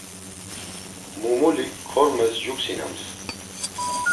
Mumulik kormes cunksinams.